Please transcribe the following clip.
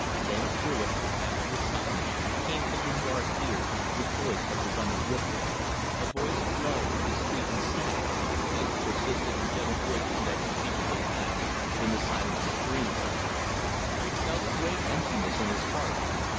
Then, through it, after a time, came to Lingard's ears the voice of the running river: a voice low, discreet, and sad, like the persistent and gentle voices that speak of the past in the silence of dreams. He felt a great emptiness in his heart.